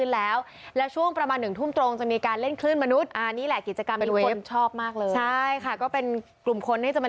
ไปติดป้ามบรรยากาศกันเลยกับคุณสมศรกษ์ศรีชุมคะ